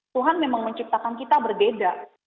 tuhan memang menciptakan kita berbeda